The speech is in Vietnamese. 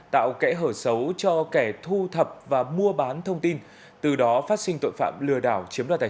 tạo kẽ hở xấu cho kẻ thu thập và mua bán thông tin từ đó phát sinh tội phạm lừa đảo chiếm đoàn tài